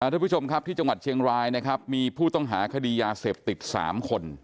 ทุกผู้ชมครับที่จังหวัดเชียงรายนะครับมีผู้ต้องหาคดียาเสพติด๓คน